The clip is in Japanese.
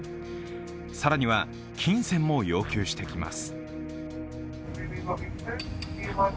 更には金銭も要求してきます。